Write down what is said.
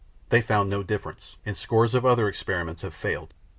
They found no difference, and scores of other experiments have failed.